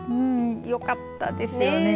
よかったですよね。